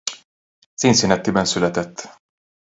Cincinnatiban született.